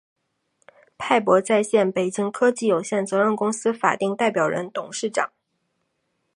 派博在线（北京）科技有限责任公司法定代表人、董事长